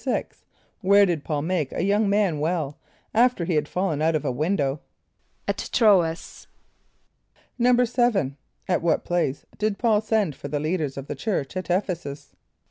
= Where did P[a:]ul make a young man well, after he had fallen out of a window? =At Tr[=o]´[)a]s.= =7.= At what place did P[a:]ul send for the leaders of the church at [)E]ph´e s[)u]s?